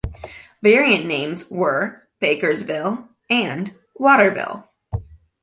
Variant names were "Bakersville" and "Waterville".